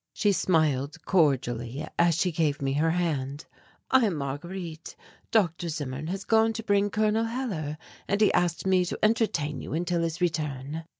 She smiled cordially as she gave me her hand. "I am Marguerite. Dr. Zimmern has gone to bring Col. Hellar, and he asked me to entertain you until his return."